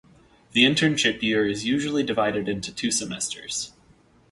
The internship year is usually divided into two semesters.